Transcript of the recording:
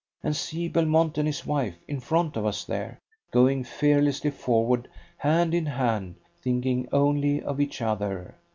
And see Belmont and his wife, in front of us there, going fearlessly forward, hand in hand, thinking only of each other.